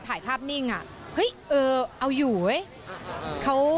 ถ่ายภาพนิ่งอ่ะเฮ้ยเออเอาอยู่เว้ยเขา